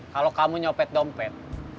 kalau kamu nyopet dompet